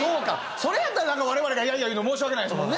それやったら我々がやいやい言うの申し訳ないですもんね。